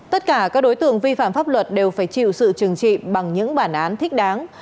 tất cả các đối tượng vi phạm pháp luật đều phải chịu sự trừng trị bằng những bản án thích đáng